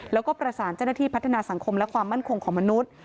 แล้วก็ประสานเจ้าหน้าที่พัฒนาสังคมและความมั่นคงของมนุษย์